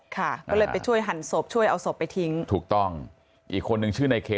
ค่ะก็เลยไปช่วยหั่นศพช่วยเอาศพไปทิ้งถูกต้องอีกคนนึงชื่อในเค